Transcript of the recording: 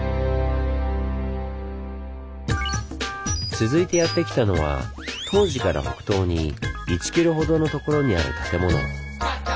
続いてやって来たのは東寺から北東に１キロほどのところにある建物。